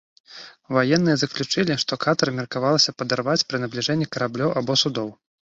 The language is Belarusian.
Ваенныя заключылі, што катэр меркавалася падарваць пры набліжэнні караблёў або судоў.